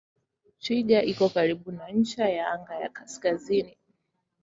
Twiga iko karibu na ncha ya anga ya kaskazini.